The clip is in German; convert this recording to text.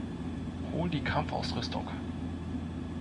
Hol die Kampfausrüstung!